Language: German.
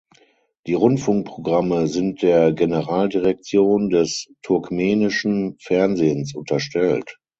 Die Rundfunkprogramme sind der "Generaldirektion des turkmenischen Fernsehens" unterstellt.